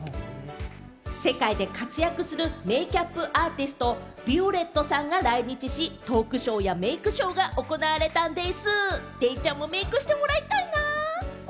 世界で活躍するメイクアップアーティスト・ヴィオレットさんが来日し、トークショーやメイクショーが行われたんでぃす。